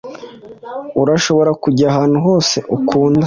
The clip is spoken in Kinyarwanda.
Urashobora kujya ahantu hose ukunda.